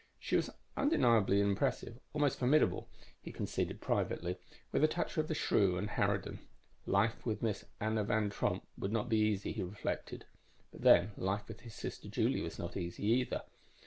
She was undeniably impressive, almost formidable, he conceded privately, with a touch of the shrew and harridan. Life with Miss Anna Van Tromp would not be easy, he reflected. But then, life with his sister Julie was not easy, either.